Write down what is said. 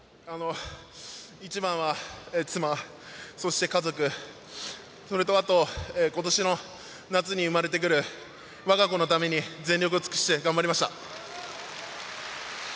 一番は妻、そして家族それと今年の夏に生まれてくる我が子のために全力を尽くして頑張りました。